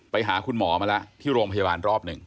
ไปหาคุณหมอมาแล้วที่โรงพยาบาลรอบหนึ่ง